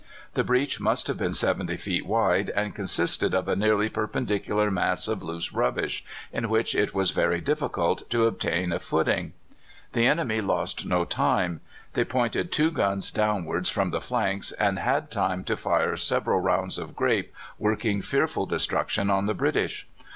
The breach must have been 70 feet wide, and consisted of a nearly perpendicular mass of loose rubbish, in which it was very difficult to obtain a footing. The enemy lost no time. They pointed two guns downwards from the flanks and had time to fire several rounds of grape, working fearful destruction on the British.